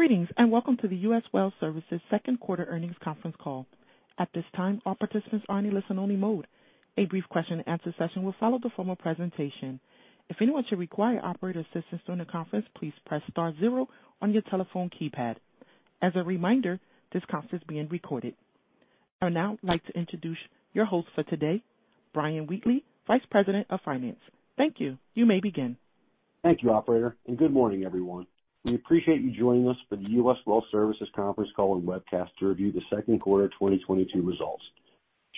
Greetings, and welcome to the U.S. Well Services second quarter Earnings Conference Call. At this time, all participants are in a listen-only mode. A brief question and answer session will follow the formal presentation. If anyone should require operator assistance during the conference, please press star zero on your telephone keypad. As a reminder, this conference is being recorded. I would now like to introduce your host for today, Brian Wheatley, Vice President of Finance. Thank you. You may begin. Thank you, operator, and good morning, everyone. We appreciate you joining us for the U.S. Well Services conference call and webcast to review the second quarter 2022 results.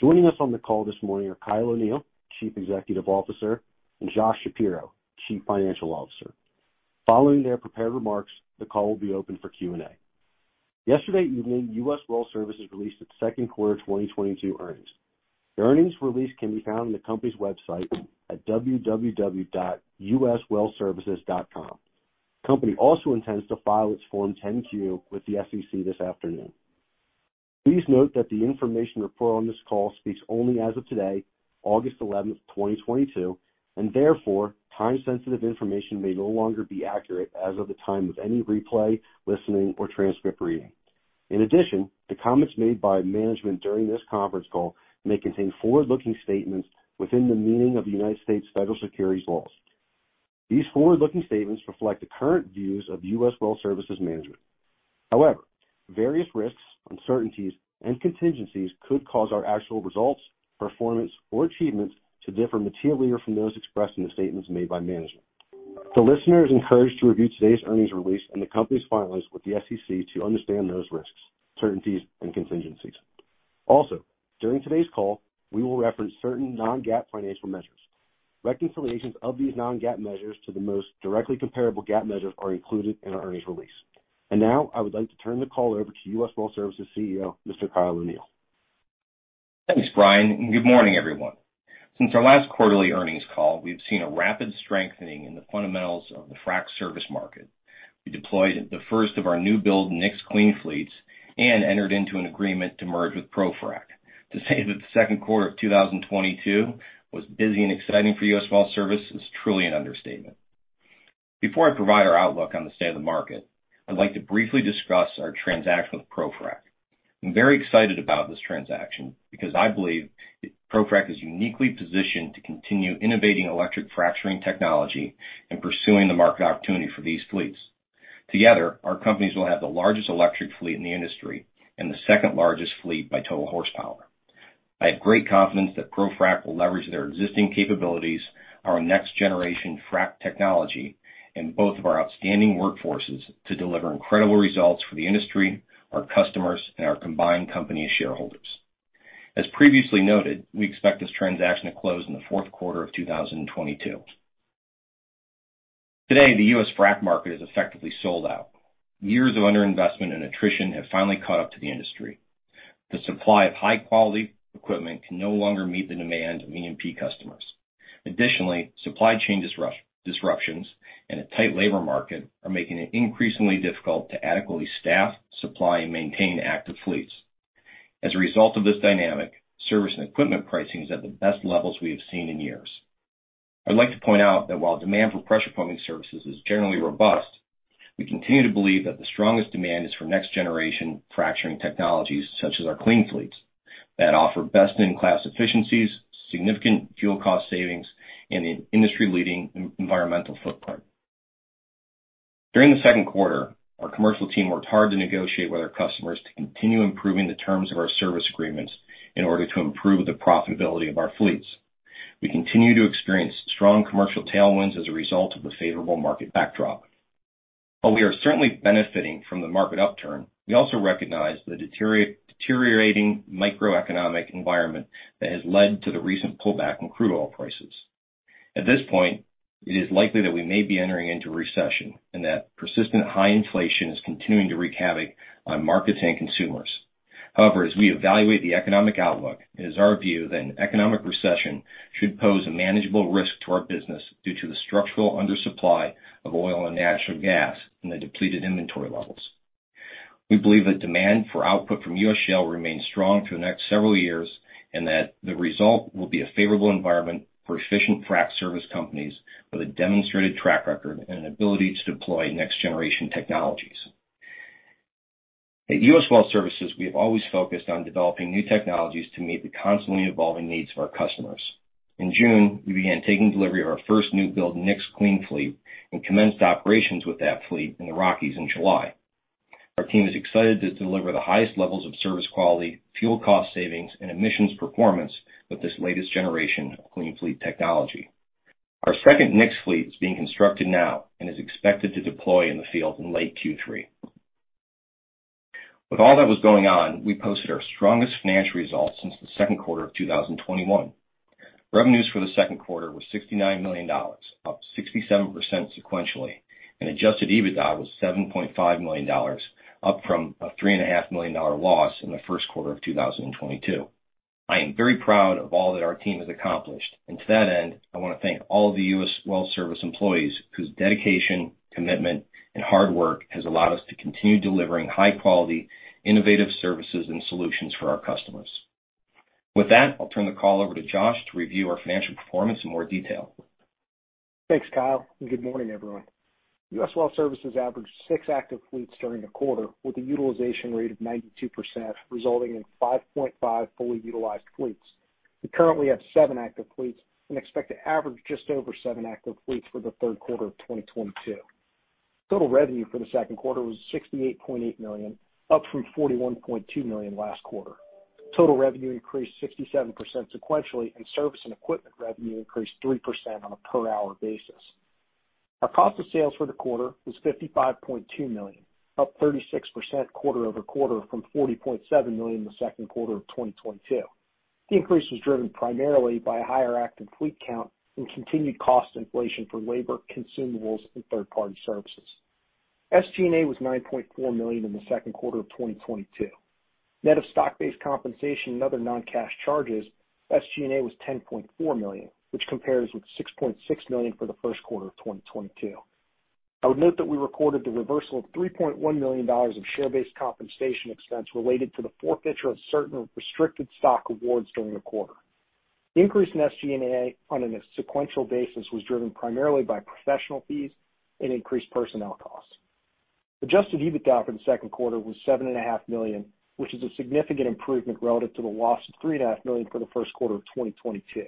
Joining us on the call this morning are Kyle O'Neill, Chief Executive Officer, and Josh Shapiro, Chief Financial Officer. Following their prepared remarks, the call will be open for Q&A. Yesterday evening, U.S. Well Services released its second quarter 2022 earnings. The earnings release can be found on the company's website at www.uswellservices.com. The company also intends to file its Form 10-Q with the SEC this afternoon. Please note that the information reported on this call speaks only as of today, August 11, 2022, and therefore, time-sensitive information may no longer be accurate as of the time of any replay, listening, or transcript reading. In addition, the comments made by management during this conference call may contain forward-looking statements within the meaning of the United States federal securities laws. These forward-looking statements reflect the current views of U.S. Well Services management. However, various risks, uncertainties, and contingencies could cause our actual results, performance, or achievements to differ materially from those expressed in the statements made by management. The listener is encouraged to review today's earnings release and the company's filings with the SEC to understand those risks, uncertainties, and contingencies. Also, during today's call, we will reference certain non-GAAP financial measures. Reconciliations of these non-GAAP measures to the most directly comparable GAAP measures are included in our earnings release. Now, I would like to turn the call over to U.S. Well Services CEO, Mr. Kyle O'Neill. Thanks, Brian, and good morning, everyone. Since our last quarterly earnings call, we've seen a rapid strengthening in the fundamentals of the frac service market. We deployed the first of our new build Nyx Clean Fleets and entered into an agreement to merge with ProFrac. To say that the second quarter of 2022 was busy and exciting for U.S. Well Services is truly an understatement. Before I provide our outlook on the state of the market, I'd like to briefly discuss our transaction with ProFrac. I'm very excited about this transaction because I believe ProFrac is uniquely positioned to continue innovating electric fracturing technology and pursuing the market opportunity for these fleets. Together, our companies will have the largest electric fleet in the industry and the second-largest fleet by total horsepower. I have great confidence that ProFrac will leverage their existing capabilities, our next-generation frac technology, and both of our outstanding workforces to deliver incredible results for the industry, our customers, and our combined company shareholders. As previously noted, we expect this transaction to close in the fourth quarter of 2022. Today, the U.S. frac market is effectively sold out. Years of underinvestment and attrition have finally caught up to the industry. The supply of high-quality equipment can no longer meet the demand of E&P customers. Additionally, supply chain disruptions and a tight labor market are making it increasingly difficult to adequately staff, supply, and maintain active fleets. As a result of this dynamic, service and equipment pricing is at the best levels we have seen in years. I'd like to point out that while demand for pressure pumping services is generally robust, we continue to believe that the strongest demand is for next-generation fracturing technologies, such as our Clean Fleets, that offer best-in-class efficiencies, significant fuel cost savings, and an industry-leading environmental footprint. During the second quarter, our commercial team worked hard to negotiate with our customers to continue improving the terms of our service agreements in order to improve the profitability of our fleets. We continue to experience strong commercial tailwinds as a result of the favorable market backdrop. While we are certainly benefiting from the market upturn, we also recognize the deteriorating macroeconomic environment that has led to the recent pullback in crude oil prices. At this point, it is likely that we may be entering into recession and that persistent high inflation is continuing to wreak havoc on markets and consumers. However, as we evaluate the economic outlook, it is our view that an economic recession should pose a manageable risk to our business due to the structural undersupply of oil and natural gas and the depleted inventory levels. We believe that demand for output from U.S. shale remains strong through the next several years, and that the result will be a favorable environment for efficient frac service companies with a demonstrated track record and an ability to deploy next-generation technologies. At U.S. Well Services, we have always focused on developing new technologies to meet the constantly evolving needs of our customers. In June, we began taking delivery of our first new build Nyx Clean Fleet and commenced operations with that fleet in the Rockies in July. Our team is excited to deliver the highest levels of service quality, fuel cost savings, and emissions performance with this latest generation of Clean Fleet technology. Our second Nyx fleet is being constructed now and is expected to deploy in the field in late Q3. With all that was going on, we posted our strongest financial results since the second quarter of 2021. Revenues for the second quarter were $69 million, up 67% sequentially, and adjusted EBITDA was $7.5 million, up from a $3.5 million loss in the first quarter of 2022. I am very proud of all that our team has accomplished, and to that end, I wanna thank all of the U.S. Well Services employees whose dedication, commitment, and hard work has allowed us to continue delivering high-quality, innovative services and solutions for our customers. With that, I'll turn the call over to Josh to review our financial performance in more detail. Thanks, Kyle, and good morning, everyone. U.S. Well Services averaged six active fleets during the quarter with a utilization rate of 92%, resulting in 5.5 fully utilized fleets. We currently have seven active fleets and expect to average just over seven active fleets for the third quarter of 2022. Total revenue for the second quarter was $68.8 million, up from $41.2 million last quarter. Total revenue increased 67% sequentially, and service and equipment revenue increased 3% on a per hour basis. Our cost of sales for the quarter was $55.2 million, up 36% quarter-over-quarter from $40.7 million in the second quarter of 2022. The increase was driven primarily by a higher active fleet count and continued cost inflation for labor, consumables, and third-party services. SG&A was $9.4 million in the second quarter of 2022. Net of stock-based compensation and other non-cash charges, SG&A was $10.4 million, which compares with $6.6 million for the first quarter of 2022. I would note that we recorded the reversal of $3.1 million of share-based compensation expense related to the forfeiture of certain restricted stock awards during the quarter. The increase in SG&A on a sequential basis was driven primarily by professional fees and increased personnel costs. Adjusted EBITDA for the second quarter was $7.5 million, which is a significant improvement relative to the loss of $3.5 million for the first quarter of 2022.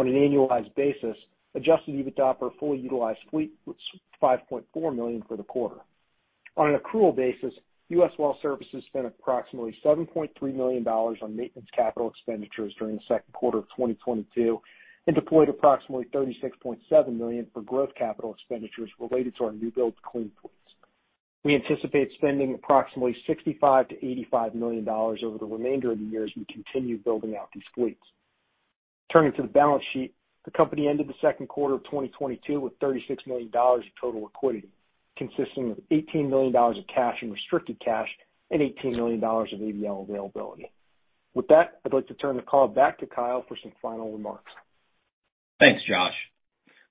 On an annualized basis, adjusted EBITDA for a fully utilized fleet was $5.4 million for the quarter. On an accrual basis, U.S. Well Services spent approximately $7.3 million on maintenance capital expenditures during the second quarter of 2022 and deployed approximately $36.7 million for growth capital expenditures related to our new build Clean Fleets. We anticipate spending approximately $65-$85 million over the remainder of the year as we continue building out these fleets. Turning to the balance sheet, the company ended the second quarter of 2022 with $36 million of total liquidity, consisting of $18 million of cash and restricted cash and $18 million of ABL availability. With that, I'd like to turn the call back to Kyle for some final remarks. Thanks, Josh.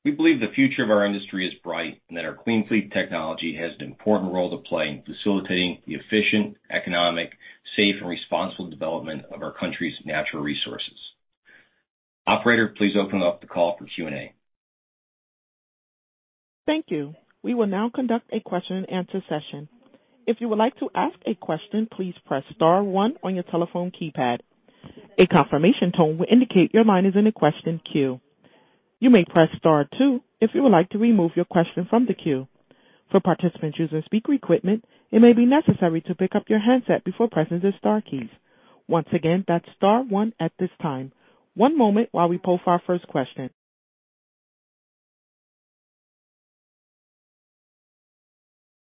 We believe the future of our industry is bright and that our Clean Fleet technology has an important role to play in facilitating the efficient, economic, safe, and responsible development of our country's natural resources. Operator, please open up the call for Q&A. Thank you. We will now conduct a question and answer session. If you would like to ask a question, please press star one on your telephone keypad. A confirmation tone will indicate your line is in a question queue. You may press star two if you would like to remove your question from the queue. For participants using speaker equipment, it may be necessary to pick up your handset before pressing the star keys. Once again, that's star one at this time. One moment while we poll for our first question.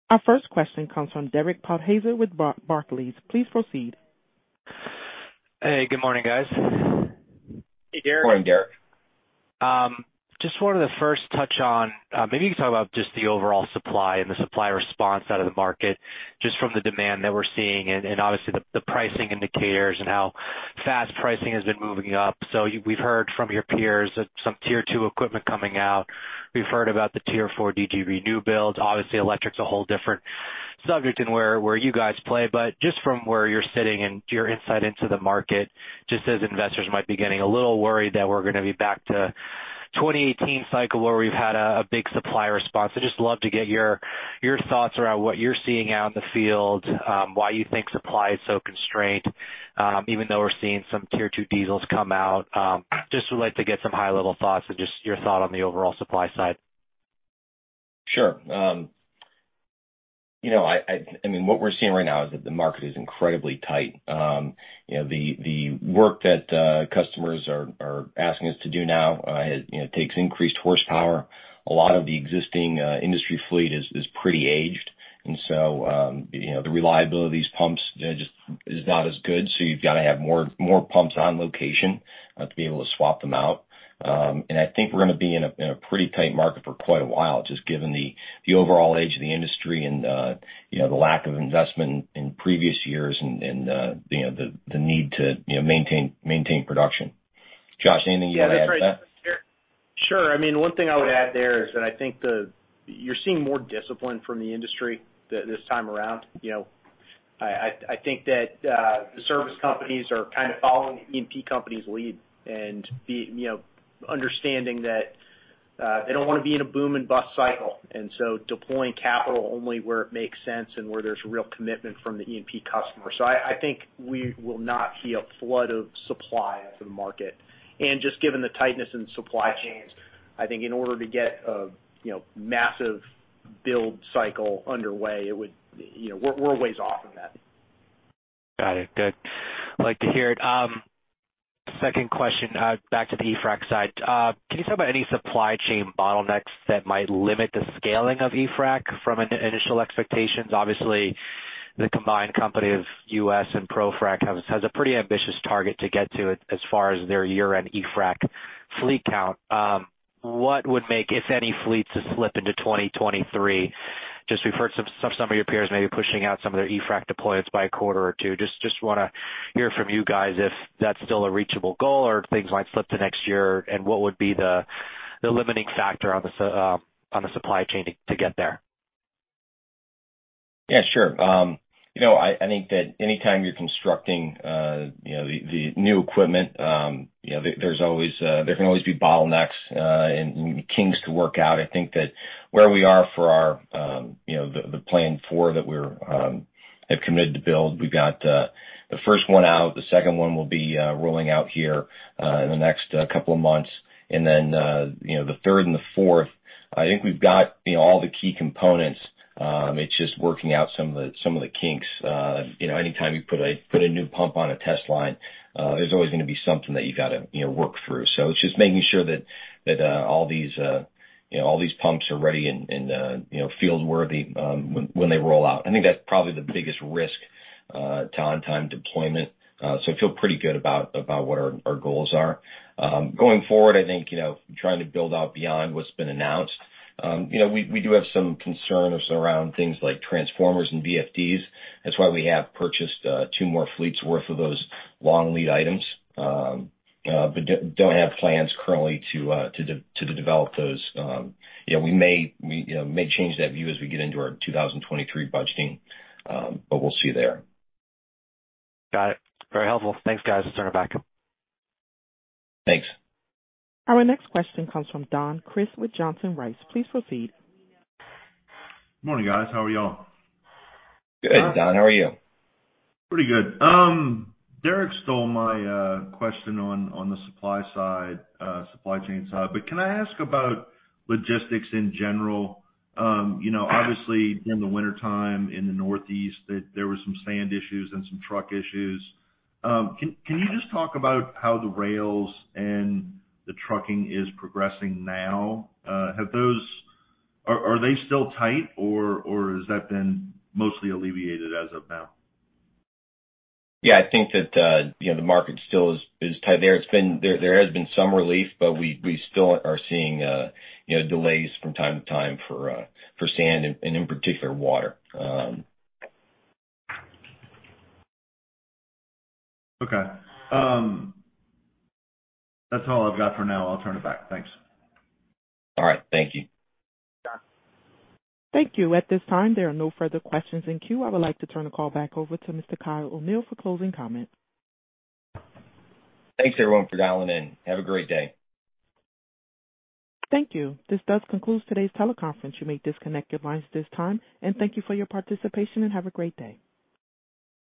Our first question comes from Derek Podhaizer with Barclays. Please proceed. Hey, good morning, guys. Hey, Derek. Morning, Derek. Just wanted to first touch on, maybe you can talk about just the overall supply and the supply response out of the market, just from the demand that we're seeing and obviously the pricing indicators and how fast pricing has been moving up. We've heard from your peers that some Tier 2 equipment coming out. We've heard about the Tier 4 DGB new builds. Obviously, electric's a whole different subject in where you guys play. Just from where you're sitting and your insight into the market, just as investors might be getting a little worried that we're gonna be back to 2018 cycle where we've had a big supply response. I'd just love to get your thoughts around what you're seeing out in the field, why you think supply is so constrained, even though we're seeing some Tier 2 diesels come out. I'd just like to get some high-level thoughts and just your thought on the overall supply side. Sure. You know, I mean, what we're seeing right now is that the market is incredibly tight. You know, the work that customers are asking us to do now, you know, takes increased horsepower. A lot of the existing industry fleet is pretty aged. You know, the reliability of these pumps just is not as good. You've gotta have more pumps on location to be able to swap them out. I think we're gonna be in a pretty tight market for quite a while, just given the overall age of the industry and, you know, the lack of investment in previous years and, you know, the need to, you know, maintain production. Josh, anything you wanna add to that? Yeah, that's right, Derek. Sure. I mean, one thing I would add there is that I think you're seeing more discipline from the industry this time around. You know, I think that the service companies are kind of following the E&P companies' lead and you know, understanding that they don't wanna be in a boom and bust cycle. Deploying capital only where it makes sense and where there's real commitment from the E&P customer. I think we will not see a flood of supply into the market. Just given the tightness in supply chains, I think in order to get a you know massive build cycle underway, you know, we're a ways off from that. Got it. Good. I like to hear it. Second question, back to the e-frac side. Can you talk about any supply chain bottlenecks that might limit the scaling of e-frac from an initial expectations? Obviously, the combined company of U.S. and ProFrac has a pretty ambitious target to get to as far as their year-end e-frac fleet count. What would make, if any, fleets to slip into 2023? Just we've heard some of your peers may be pushing out some of their e-frac deployments by a quarter or two. Just wanna hear from you guys if that's still a reachable goal or if things might slip to next year, and what would be the limiting factor on the supply chain to get there? Yeah, sure. You know, I think that anytime you're constructing, you know, the new equipment, you know, there can always be bottlenecks and kinks to work out. I think that where we are for our, you know, the planned four that we have committed to build, we've got the first one out, the second one will be rolling out here in the next couple of months. You know, the third and the fourth, I think we've got all the key components. It's just working out some of the kinks. You know, anytime you put a new pump on a test line, there's always gonna be something that you gotta work through. It's just making sure that all these pumps are ready and you know field worthy when they roll out. I think that's probably the biggest risk to on-time deployment. I feel pretty good about what our goals are. Going forward, I think you know trying to build out beyond what's been announced you know we do have some concerns around things like transformers and VFDs. That's why we have purchased two more fleets worth of those long lead items. But don't have plans currently to develop those. You know we may change that view as we get into our 2023 budgeting but we'll see there. Got it. Very helpful. Thanks, guys. Let's turn it back. Thanks. Our next question comes from Don Crist with Johnson Rice. Please proceed. Morning, guys. How are y'all? Good, Don. How are you? Pretty good. Derek stole my question on the supply side, supply chain side. Can I ask about logistics in general? You know, obviously in the wintertime in the Northeast, that there were some sand issues and some truck issues. Can you just talk about how the rails and the trucking is progressing now? Are they still tight or has that been mostly alleviated as of now? Yeah, I think that, you know, the market still is tight there. There has been some relief, but we still are seeing, you know, delays from time to time for sand and in particular water. Okay. That's all I've got for now. I'll turn it back. Thanks. All right. Thank you. Sure. Thank you. At this time, there are no further questions in queue. I would like to turn the call back over to Mr. Kyle O'Neill for closing comments. Thanks, everyone, for dialing in. Have a great day. Thank you. This does conclude today's teleconference. You may disconnect your lines at this time. Thank you for your participation and have a great day.